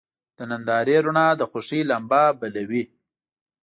د نندارې رڼا د خوښۍ لمبه بله وي.